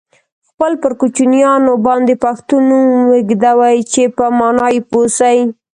خپل پر کوچنیانو باندي پښتو نوم ویږدوی چې په مانا یې پوه سی.